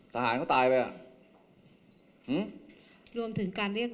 ทหารก็ตายไป